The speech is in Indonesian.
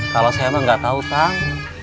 kalau saya mah nggak tahu tang